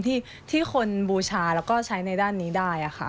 ที่คนบูชาแล้วก็ใช้ในด้านนี้ได้ค่ะ